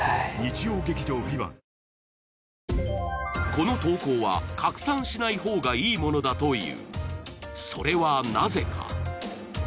この投稿は拡散しない方がいいものだというそれはなぜか？